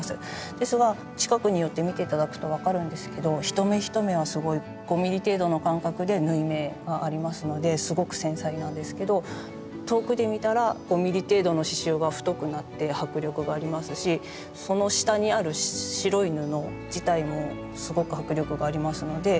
ですが近くに寄って見て頂くと分かるんですけど１目１目はすごい５ｍｍ程度の間隔で縫い目がありますのですごく繊細なんですけど遠くで見たら５ｍｍ程度の刺しゅうが太くなって迫力がありますしその下にある白い布自体もすごく迫力がありますので。